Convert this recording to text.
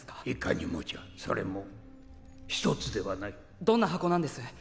いかにもじゃそれも１つではないどんな箱なんです？